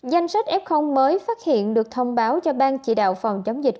danh sách f mới phát hiện được thông báo cho ban chỉ đạo phòng chống dịch